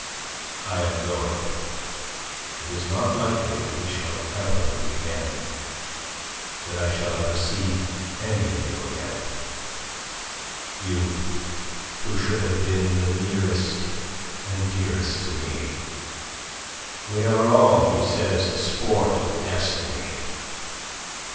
I am going. It is not likely that we shall ever meet again that I shall ever see any of you again you who should have been the nearest and dearest to me. We are all, he says, the sport of destiny.